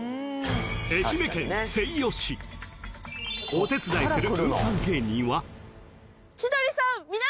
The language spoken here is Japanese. ［お手伝いする］